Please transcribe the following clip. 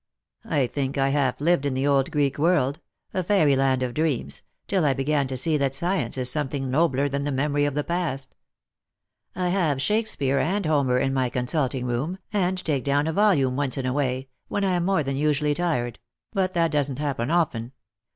I think I half lived in the old Greek world — a fairyland of dreams — till I began to see that science is something nobler than the memory of the past. I have Shakespeare and Homer in my consulting room, and take down a volume once in a way, when I am more than usually tired; but that doesn't happen often.